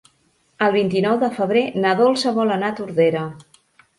El vint-i-nou de febrer na Dolça vol anar a Tordera.